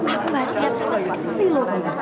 aku gak siap sama sekali loh